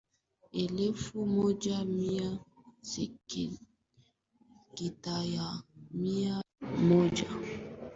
wanafunzi watatu tatu kati ya mia moja ishirini waliochaguliwa sekondariMwaka elfu moja mia